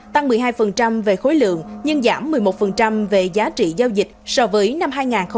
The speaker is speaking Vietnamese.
tăng một mươi hai về khối lượng nhưng giảm một mươi một về giá trị giao dịch so với năm hai nghìn một mươi tám